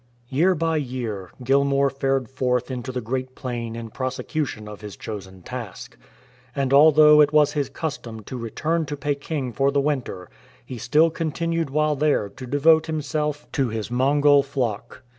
Year by year Gilmour fared forth into the Great Plain in prosecution of his chosen task. And although it was his custom to return to Peking for the winter, he still continued while there to devote himself to his Mongol 24 GILMOUR AS PEDLAR flock.